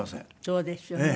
そうですよね。